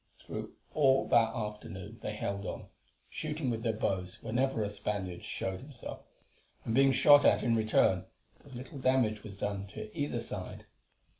Through all that afternoon they held on, shooting with their bows whenever a Spaniard showed himself, and being shot at in return, though little damage was done to either side.